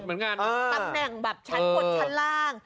ตำแหน่งแบบชั้นบนชั้นล่าง